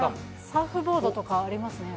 サーフボードとかありますね。